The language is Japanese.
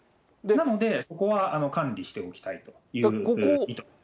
なので、そこは管理しておきたいという意図。